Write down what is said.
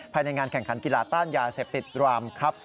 ภายในงานแข่งขันกีฬาต้านยาเสพติดรามครับ